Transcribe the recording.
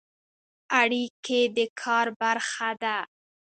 اړیکې د کار برخه ده